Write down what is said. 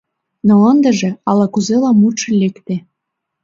Но ындыже ала-кузела мутшо лекте.